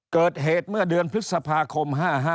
เกิดเหตุเมื่อเดือนพฤษภาคม๕๕